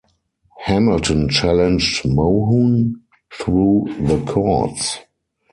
Hamilton challenged Mohun through the courts.